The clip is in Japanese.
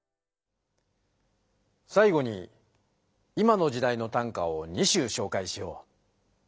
さいごに今の時代の短歌を２首しょうかいしよう。